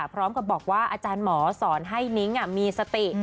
พร้อมกับบอกว่าอาจารย์หมอสอนให้นิ้งมีสติ